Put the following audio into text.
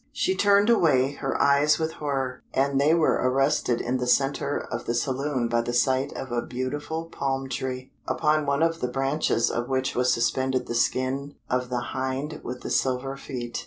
She turned away her eyes with horror, and they were arrested in the centre of the saloon by the sight of a beautiful palm tree, upon one of the branches of which was suspended the skin of the Hind with the silver feet.